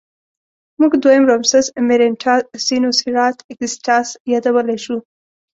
موږ دویم رامسس مېرنټاه سینوسېراټ اګسټاس یادولی شو.